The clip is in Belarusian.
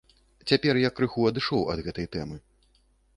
Цяпер я крыху адышоў ад гэтай тэмы.